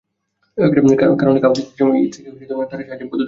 কারণ, কাপড় ইস্ত্রির সময় ইস্ত্রিকে তারের সাহায্যে বৈদ্যুতিক সংযোগ দেওয়া হয়।